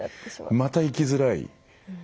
また行きづらい。